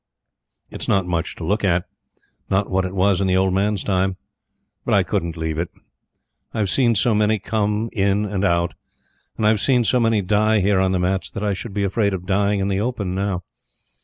It's not much to look at. Not what it was in the old man's time, but I couldn't leave it. I've seen so many come in and out. And I've seen so many die here on the mats that I should be afraid of dying in the open now.